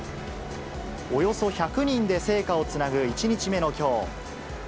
およそ１００人で聖火をつなぐ１日目のきょう。